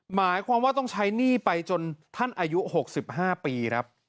หมายความว่าต้องใช้หนี้ไปจนท่านอายุ๖๕ปีครับ